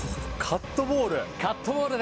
カットボール？